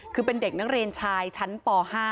คือเป็นเด็กนักเรียนชายชั้นป๕